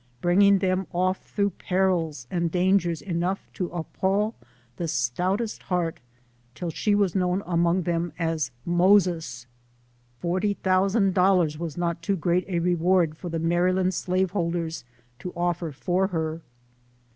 bringing them off through perils and dangers enough to appall the stoutest heart, till she was known among them as ' Moses.' " Forty thousand dollars was not too great a LIFE OF HARRIET TUBMAN. 23 reward for the Maryland slaveholders to offer for her.